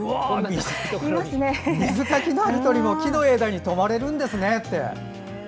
水かきのある鳥も木の枝に止まれるんですねと。